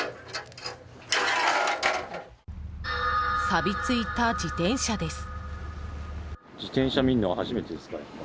さび付いた自転車です。